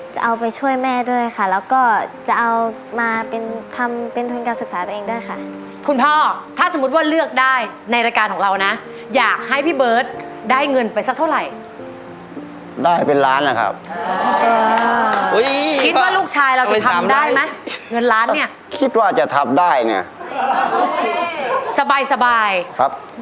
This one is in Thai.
จะเอาไปช่วยแม่ด้วยค่ะแล้วก็จะเอามาทำเป็นการศึกษาตัวเองด้วยค่ะ